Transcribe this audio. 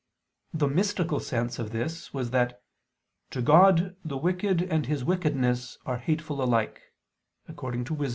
The mystical sense of this was that "to God the wicked and his wickedness are hateful alike" (Wis.